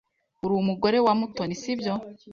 Uri umugore wa Mutoni, si byo?